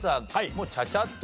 もうちゃちゃっと。